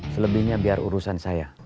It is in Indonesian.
selebihnya biar urusan saya